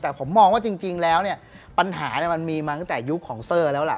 แต่ผมมองว่าจริงแล้วเนี่ยปัญหามันมีมาตั้งแต่ยุคของเซอร์แล้วล่ะ